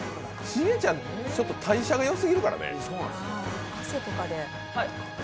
シゲちゃん、ちょっと代謝がよすぎるからね。